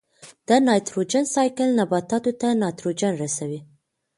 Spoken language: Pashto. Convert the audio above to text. د نایټروجن سائیکل نباتاتو ته نایټروجن رسوي.